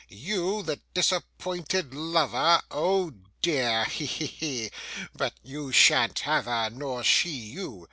'You, the disappointed lover? Oh dear! He! he! he! But you shan't have her, nor she you.